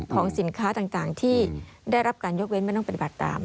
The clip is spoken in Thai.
สินค้าต่างที่ได้รับการยกเว้นไม่ต้องปฏิบัติตาม